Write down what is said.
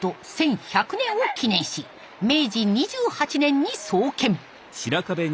１１００年を記念し明治２８年に創建。